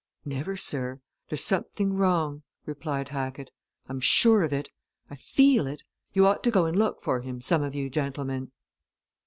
"Never, sir! There's something wrong," replied Hackett. "I'm sure of it. I feel it! You ought to go and look for him, some of you gentlemen."